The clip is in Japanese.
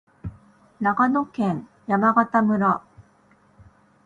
長野県山形村